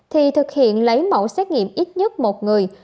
thì thực hiện lấy mẫu xét nghiệm ít nhất một người